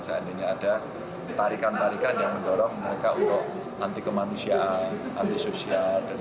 seandainya ada tarikan tarikan yang mendorong mereka untuk anti kemanusiaan antisosial